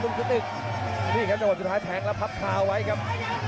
นี่ครับอย่างสุดท้ายแท้งแล้วพับขาไว้ครับ